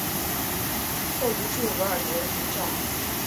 后移驻额尔德尼召。